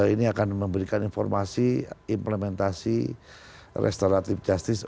ini akan memberikan informasi implementasi restoratif justice